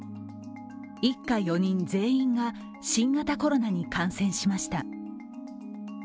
一家４人全員が新型コロナに感染しました。